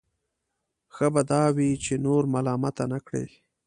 ښه به دا وي چې نور ملامته نه کړي.